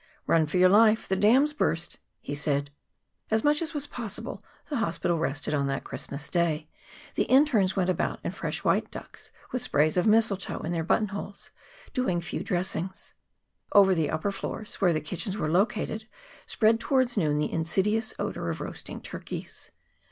"Run for your life. The dam's burst!" he said. As much as was possible, the hospital rested on that Christmas Day. The internes went about in fresh white ducks with sprays of mistletoe in their buttonholes, doing few dressings. Over the upper floors, where the kitchens were located, spread toward noon the insidious odor of roasting turkeys.